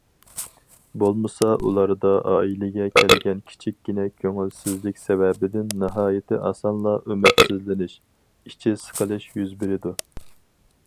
بولمىسا، ئۇلاردا ئائىلىگە كەلگەن كىچىككىنە كۆڭۈلسىزلىك سەۋەبىدىن ناھايىتى ئاسانلا ئۈمىدسىزلىنىش، ئىچى سىقىلىش يۈز بېرىدۇ.